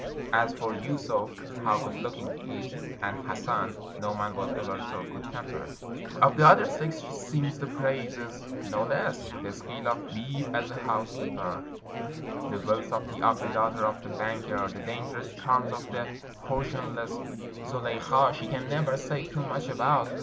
As for Yusuf, how good looking he is! And Has san, no man was ever so good tempered. Of the other sex she sings the praises no less. The skill of Bebe as a housekeeper, the wealth of the ugly daughter of the banker, the dangerous charms of the portionless Zulei kha, she can never say too much about.